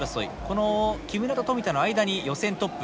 この木村と富田の間に予選トップ